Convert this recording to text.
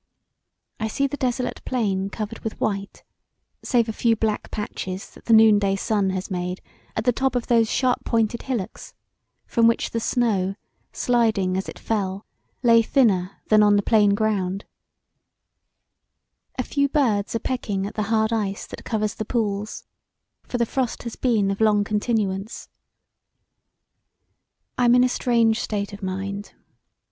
I see the desolate plain covered with white, save a few black patches that the noonday sun has made at the top of those sharp pointed hillocks from which the snow, sliding as it fell, lay thinner than on the plain ground: a few birds are pecking at the hard ice that covers the pools for the frost has been of long continuance. I am in a strange state of mind.